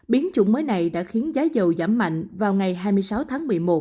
biến chủng mới này đã khiến giá giàu giảm mạnh vào ngày hai mươi sáu tháng một mươi một